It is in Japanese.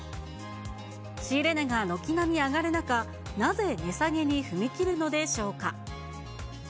仕入れ値が軒並み上がる中、なぜ値下げに踏み切るのでしょうか。